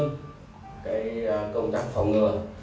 cái công tác phòng ngừa